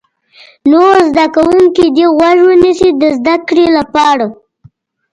نور زده کوونکي دې غوږ ونیسي د زده کړې لپاره.